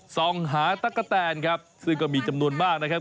ส่องหาตะกะแตนครับซึ่งก็มีจำนวนมากนะครับ